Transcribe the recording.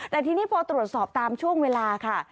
แต่ทีนี้พอตรวจสอบตามช่วงเวลาค่ะ